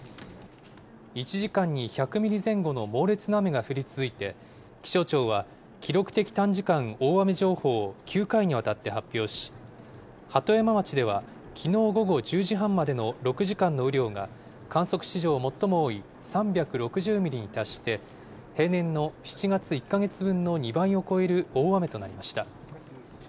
１時間に１００ミリ前後の猛烈な雨が降り続いて、気象庁は、記録的短時間大雨情報を９回にわたって発表し、鳩山町ではきのう午後１０時半までの６時間の雨量が、観測史上最も多い３６０ミリに達して、平年の７月１か月分の２倍を超える大雨となりました。